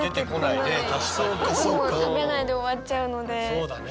そうだね。